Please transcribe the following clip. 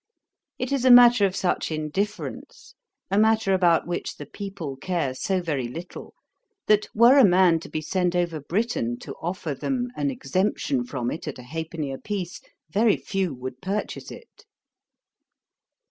It is a matter of such indifference, a matter about which the people care so very little, that were a man to be sent over Britain to offer them an exemption from it at a halfpenny a piece, very few would purchase it.'